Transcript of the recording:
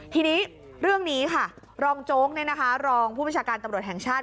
ทีนี้เรื่องนี้ค่ะรองโจ๊กรองผู้ประชาการตำรวจแห่งชาติ